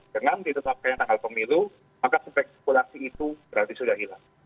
dengan ditetapkan tanggal pemilu maka spekulasi itu berarti sudah hilang